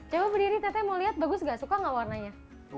coba berdiri tete mau lihat bagus gak suka gak warnanya